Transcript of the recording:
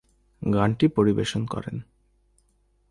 গানটি পরিবেশন করেন।